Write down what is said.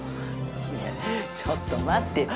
いやちょっと待ってよ。